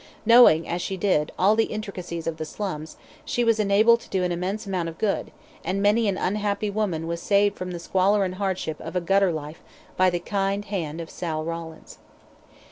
Knowing as she did, all the intricacies of the slums, she was enabled to do an immense amount of good, and many an unhappy woman was saved from the squalor and hardship of a gutter life by the kind hand of Sal Rawlins.